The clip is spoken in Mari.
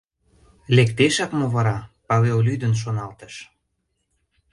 «Лектешак мо вара?» — Павел лӱдын шоналтыш.